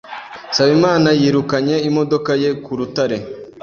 Nsabimana yirukanye imodoka ye ku rutare.